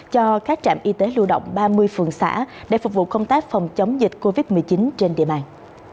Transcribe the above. cho các trạm y tế lưu động ba mươi phường xã để phục vụ công tác phòng chống dịch covid một mươi chín trên địa bàn